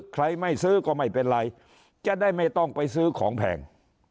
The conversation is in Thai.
ใครไม่ซื้อก็ไม่เป็นไรจะได้ไม่ต้องไปซื้อของแพง